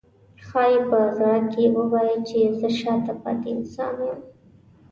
ښایي په زړه کې ووایي چې زه شاته پاتې انسان یم.